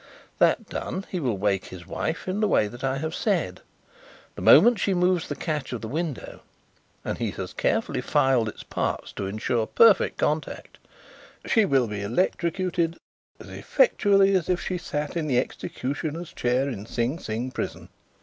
That done, he will wake his wife in the way I have said. The moment she moves the catch of the window and he has carefully filed its parts to ensure perfect contact she will be electrocuted as effectually as if she sat in the executioner's chair in Sing Sing prison."